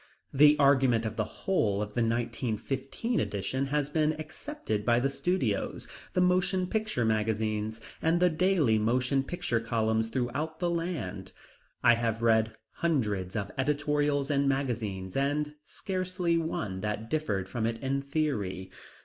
The argument of the whole of the 1915 edition has been accepted by the studios, the motion picture magazines, and the daily motion picture columns throughout the land. I have read hundreds of editorials and magazines, and scarcely one that differed from it in theory.